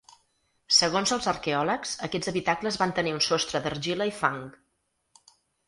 Segons els arqueòlegs, aquests habitacles van tenir un sostre d’argila i fang.